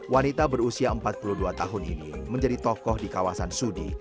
wanita berusia empat puluh dua tahun ini menjadi tokoh di kawasan sudi